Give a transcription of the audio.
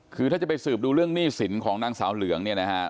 คือถ้าจะไปสืบดูเรื่องหนี้สินของนางสาวเหลืองเนี่ยนะฮะ